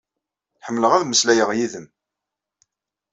Ḥemmleɣ ad mmeslayeɣ yid-m.